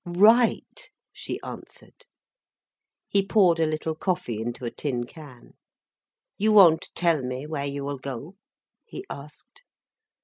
"Right," she answered. He poured a little coffee into a tin can. "You won't tell me where you will go?" he asked.